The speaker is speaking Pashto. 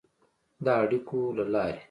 د اړیکو له لارې